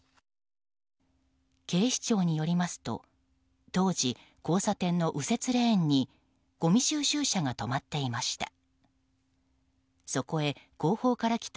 警視庁によりますと当時、交差点の右折レーンにごみ収集車が止まっていました。